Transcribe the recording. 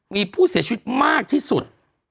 มีผู้เสียชีวิตมากที่สุด